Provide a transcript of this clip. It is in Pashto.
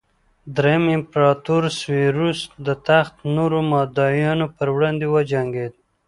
درېیم امپراتور سېوروس د تخت نورو مدعیانو پر وړاندې وجنګېد